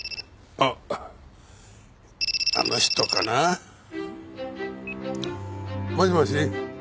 あっあの人かな？もしもし？